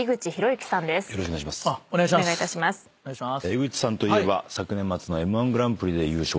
井口さんといえば昨年末のＭ−１グランプリで優勝をされたと。